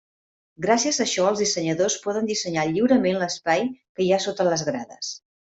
Gràcies a això els dissenyadors poden dissenyar lliurement l'espai que hi ha sota les grades.